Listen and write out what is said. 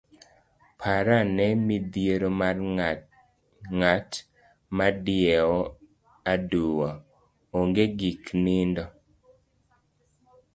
parane midhiero mar ng'at madiewo aduwo, oonge gik nindo,